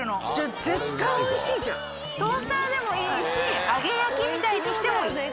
トースターでもいいし揚げ焼きみたいにしてもいい。